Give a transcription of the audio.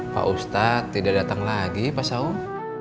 pak ustadz tidak datang lagi pak saung